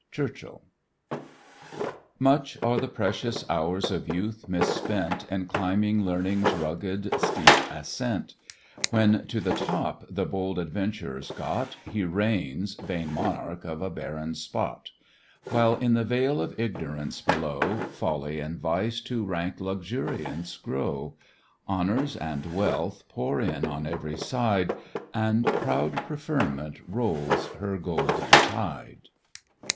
CHURCHILL Much are the precious hours of youth misspent In climbing learning's rugged, steep ascent; When to the top the bold adventurer's got, He reigns vain monarch of a barren spot; While in the vale of ignorance below, Folly and vice to rank luxuriance grow; Honours and wealth pour in on every side, And proud preferment rolls her golden tide.